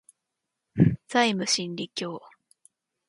ザイム真理教